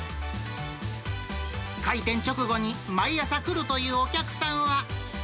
開店直後に毎朝来るというお客さんは。